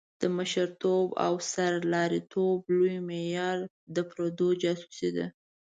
د مشرتوب او سرلاري توب لوی معیار د پردو جاسوسي ده.